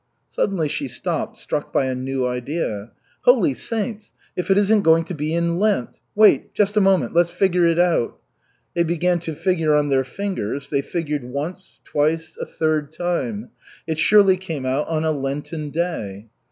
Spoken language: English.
Suddenly, she stopped, struck by a new idea. "Holy saints! If it isn't going to be in Lent! Wait, just a moment, let's figure it out." They began to figure on their fingers, they figured once, twice, a third time it surely came out on a Lenten day.